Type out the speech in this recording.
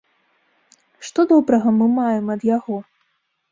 Што добрага мы маем ад яго?